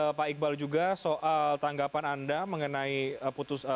saya akan tanyakan ke pak iqbal juga soal tanggapan anda mengenai putus